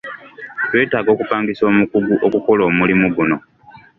Twetaaga okupangisa omukugu okukola omulimu guno.